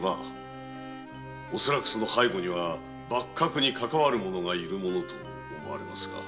恐らくその背後には幕閣にかかわる者がいるものと思われますが。